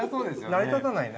◆成り立たない。